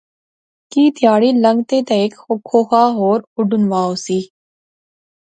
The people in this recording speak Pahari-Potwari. کی تہارے لنگتھے تہ ہیک کھوخا ہور اڈنوں وہا ہوسی